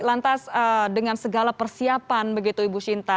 lantas dengan segala persiapan begitu ibu shinta